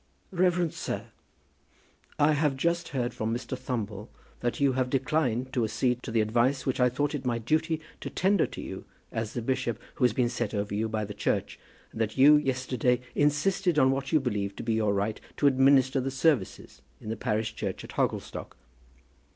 REVEREND SIR, I have just heard from Mr. Thumble that you have declined to accede to the advice which I thought it my duty to tender to you as the bishop who has been set over you by the Church, and that you yesterday insisted on what you believed to be your right, to administer the services in the parish church of Hogglestock.